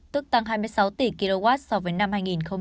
tức tăng hai mươi sáu tỷ kwh so với năm hai nghìn hai mươi